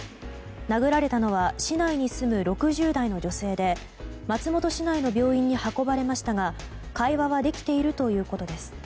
殴られたのは市内に住む６０代の女性で松本市内の病院に運ばれましたが会話はできているということです。